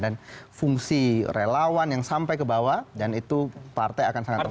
fungsi relawan yang sampai ke bawah dan itu partai akan sangat terbuka